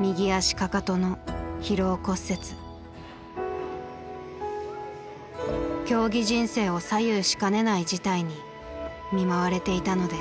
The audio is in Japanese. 右足かかとの競技人生を左右しかねない事態に見舞われていたのです。